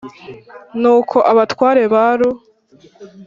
Nuko abatware ba ru